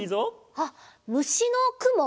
あっむしのクモ？